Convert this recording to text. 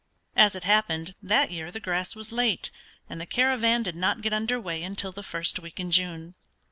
As it happened, that year the grass was late, and the caravan did not get under way until the first week in June.